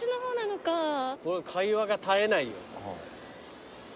会話が絶えないよ。